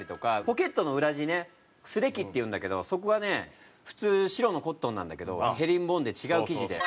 ポケットの裏地ねスレキっていうんだけどそこがね普通白のコットンなんだけどヘリンボーンで違う生地で。